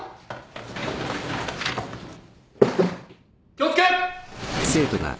・・気を付け！